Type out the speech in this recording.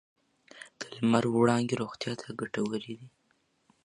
د لمر وړانګې روغتیا ته ګټورې دي.